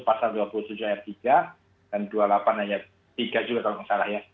pasal dua puluh tujuh ayat tiga dan dua puluh delapan ayat tiga juga kalau nggak salah ya